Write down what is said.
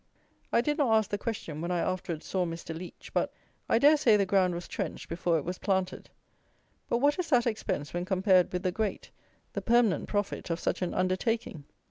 I did not ask the question when I afterwards saw Mr. Leech, but, I dare say, the ground was trenched before it was planted; but what is that expense when compared with the great, the permanent profit of such an undertaking?